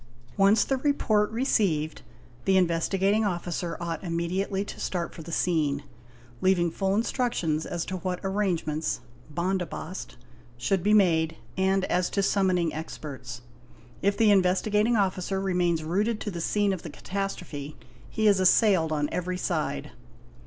Once the report received, the Investigating 860 SERIOUS ACCIDEN'S Officer ought immediately to start for the scene, leaving full instructions as to what arrangements (bandobast) should be made and as to summon ing experts. If the Investigating Officer remains rooted to the scene of the catas trophe, he is assailed on every side.